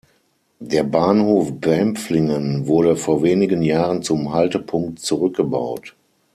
Der Bahnhof Bempflingen wurde vor wenigen Jahren zum Haltepunkt zurückgebaut.